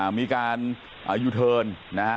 มีการยูเทิร์นนะฮะ